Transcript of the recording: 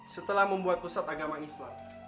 setelah membuat pusat agama islam